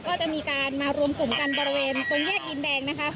ก็จะมีการมารวมกลุ่มกันบริเวณตรงแยกดินแดงนะคะ